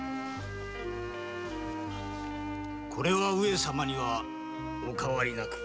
上様にはお変わりなく。